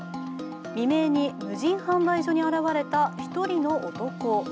未明に無人販売所に現れた１人の男。